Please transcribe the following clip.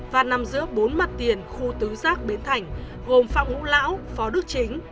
và nằm giữa bốn mặt tiền khu tứ giác bến thảnh gồm phạm ngũ lão phó đức chính